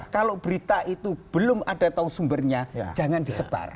kalau berita itu belum ada tahu sumbernya jangan disebar